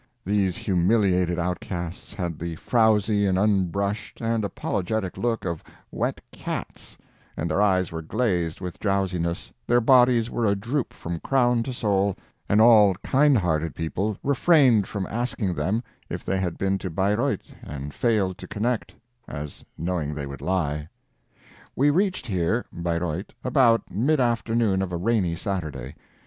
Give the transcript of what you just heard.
These humiliated outcasts had the frowsy and unbrushed and apologetic look of wet cats, and their eyes were glazed with drowsiness, their bodies were adroop from crown to sole, and all kind hearted people refrained from asking them if they had been to Bayreuth and failed to connect, as knowing they would lie. We reached here (Bayreuth) about mid afternoon of a rainy Saturday.